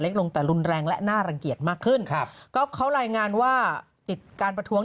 ลงแต่รุนแรงและน่ารังเกียจมากขึ้นครับก็เขารายงานว่าติดการประท้วง